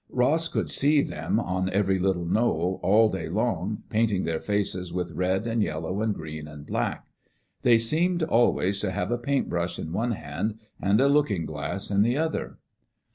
Ross could see them, on every little knoll, all day long, painting their faces with red and yellow and green and black. They seemed always to have a paint brush in one hand and a looking glass in the other.